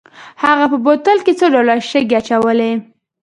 هغه په بوتل کې څو ډوله شګې اچولې.